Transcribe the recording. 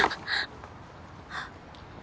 あっ！